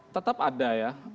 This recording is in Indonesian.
tetap ada ya